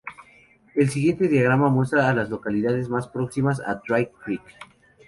El siguiente diagrama muestra a las localidades más próximas a Dry Creek.